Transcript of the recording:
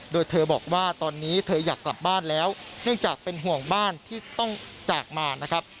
โดยเธอบอกว่าตอนนี้เธออยากกลับบ้านแล้วเนื่องจากเป็นห่วงบ้านที่ต้องจากมานะครับ